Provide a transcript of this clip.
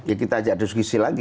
jadi kita ajak diskusi lagi